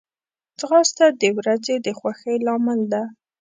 ځغاسته د ورځې د خوښۍ لامل ده